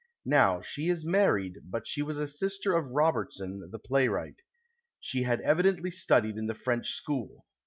Now she is married, but she was a sister of Robertson, the playwright. She had evidently studied in the French sehool.